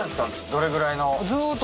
どれぐらいの。